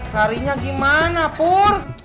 narinya gimana pur